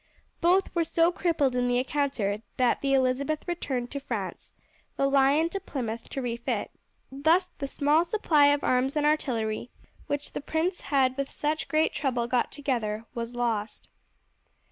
Both were so crippled in the encounter that the Elizabeth returned to France, the Lion to Plymouth to refit. Thus the small supply of arms and artillery which the prince had with such great trouble got together was lost.